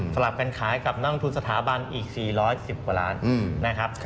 ลับกันขายกับนักลงทุนสถาบันอีก๔๑๐กว่าล้านนะครับ